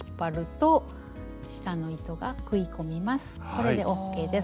これでＯＫです。